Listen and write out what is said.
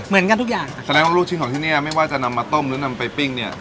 เหมือนกันทุกอย่างแสดงว่าลูกชิ้นของที่เนี้ยไม่ว่าจะนำมาต้มหรือนำไปปิ้งเนี่ย